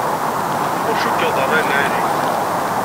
Ur cukkeɣ d rray n lεali.